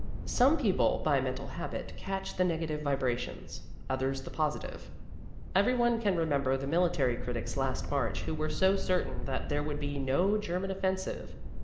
Some people by mental habit catch the negative vibrations, others the positive. Every one can remember the military critics last March who were so certain that there would be no German offensive.